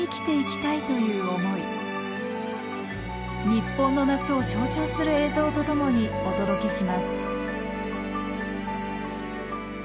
日本の夏を象徴する映像とともにお届けします